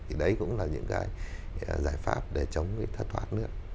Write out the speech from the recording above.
thì đấy cũng là những cái giải pháp để chống cái thất thoát nước